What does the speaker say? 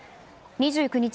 ２９日